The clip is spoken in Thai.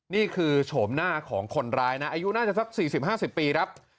โฉมหน้าของคนร้ายนะอายุน่าจะสัก๔๐๕๐ปีครับ